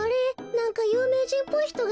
なんかゆうめいじんっぽいひとがいますよ。